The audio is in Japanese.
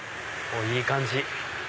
いい感じ！